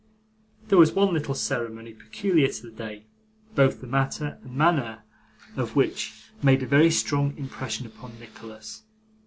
There was one little ceremony peculiar to the day, both the matter and manner of which made a very strong impression upon Nicholas.